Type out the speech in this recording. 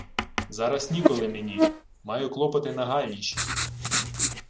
— Зараз ніколи мені... Маю клопоти нагальніші...